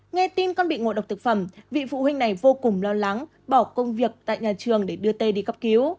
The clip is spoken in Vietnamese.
nghe tin con bị ngộ độc thực phẩm vị phụ huynh này vô cùng lo lắng bỏ công việc tại nhà trường để đưa tê đi cấp cứu